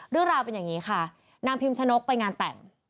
เรื่องราวเป็นอย่างนี้ค่ะนางพิมชะนกไปงานแต่ง